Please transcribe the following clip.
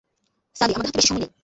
সালি, আমাদের হাতে বেশি সময় নেই!